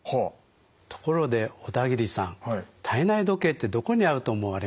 ところで小田切さん体内時計ってどこにあると思われます？